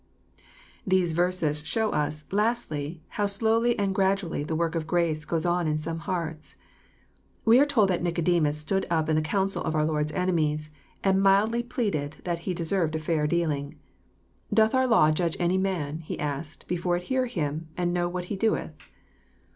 These verses show us, lastly, how dowly and gradually the work ofgra/x goes on in some hearts. We are told that Nicodemus stood up in the council of our Lord's enemies, wid mildly pleaded that He deserved fair dealing. " Doth our law judge any man," he asked, *' before it hear him, and know what he doeth?